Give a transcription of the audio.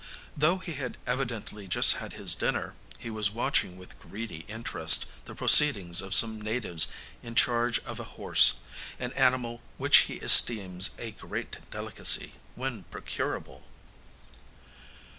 Though he had evidently just had his dinner, he was watching with greedy interest the proceedings of some natives in charge of a horse an animal which he esteems a great delicacy, when procurable.